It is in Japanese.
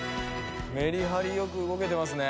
メリハリよく動けてますね。